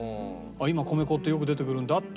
今米粉ってよく出てくるんだ。